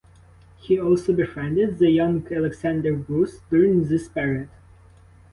He also befriended the young Alexander Bruce during this period.